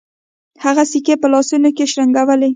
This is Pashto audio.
هغه سکې په لاسونو کې شرنګولې.